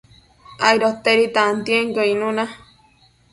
aidotedi tantienquio icnuna